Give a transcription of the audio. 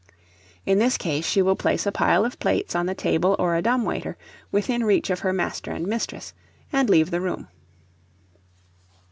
In this case she will place a pile of plates on the table or a dumbwaiter, within reach of her master and mistress, and leave the room.